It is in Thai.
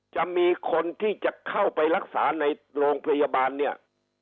จะมีคนที่จะเข้าไปรักษาในโรงพยาบาลเนี่ย